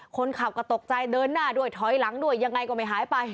คนขับก็ตกใจเดินหน้าด้วยถอยหลังด้วยยังไงก็ไม่หายไป